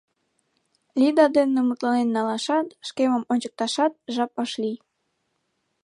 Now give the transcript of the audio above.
Лида дене мутланен налашат, шкемым ончыкташат жап ыш лий.